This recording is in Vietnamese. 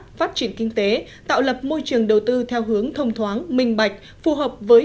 phát triển kinh tế tạo lập môi trường đầu tư theo hướng thông thoáng minh bạch phù hợp với